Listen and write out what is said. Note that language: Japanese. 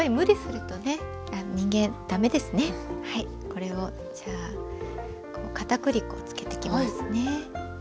これをじゃあかたくり粉をつけていきますね。